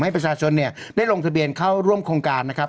ให้ประชาชนเนี่ยได้ลงทะเบียนเข้าร่วมโครงการนะครับ